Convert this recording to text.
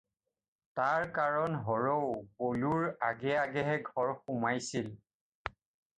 তাৰ কাৰণ হৰও বলোৰ আগে আগেহে ঘৰ সোমাইছিল।